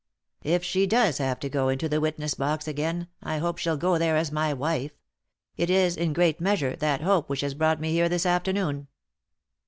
" If she does have to go into the witness box again, I hope she'll go there as my wife. It is, in great measure, that hope which has brought me here this afternoon."